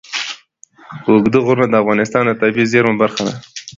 اوږده غرونه د افغانستان د طبیعي زیرمو برخه ده.